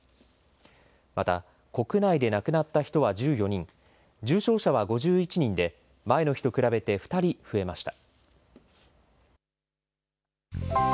また、国内で亡くなった人は１４人、重症者は５１人で、前の日と比べて２人増えました。